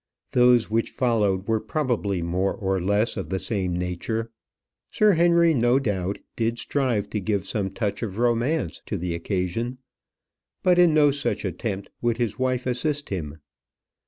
Those which followed were probably more or less of the same nature. Sir Henry, no doubt, did strive to give some touch of romance to the occasion; but in no such attempt would his wife assist him.